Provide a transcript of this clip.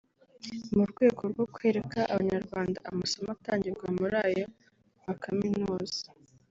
mu rwego rwo kwereka Abanyarwanda amasomo atangirwa muri ayo makaminuza